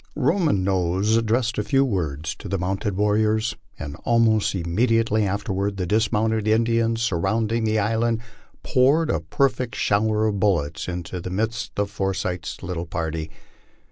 93 Nose addressed a few words to the mounted warriors, and almost immediately afterward the dismounted Indians surrounding the island poured a perfect shower of bullets into the midst of Forsy th's little party.